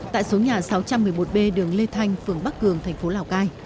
tại số nhà sáu trăm một mươi một b đường lê thanh phường bắc cường thành phố lào cai